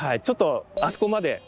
ちょっとあそこまで。